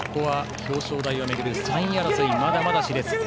表彰台を巡る３位争いがまだまだしれつ。